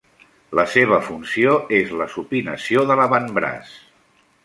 La seva funció és la supinació de l'avantbraç.